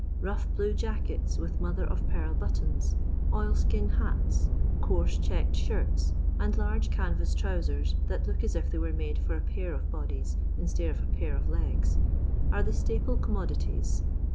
Bough blue jackets, with mother of pearl buttons, oil skin hats, coarse checked shirts, and large canvass trousera that look as if they were made for a pair of bodies instead of a pair of legs, are the staple commo didea.